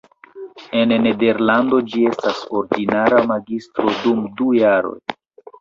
En Nederlando ĝi estas ordinara magistro dum du jaroj.